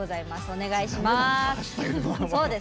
お願いします。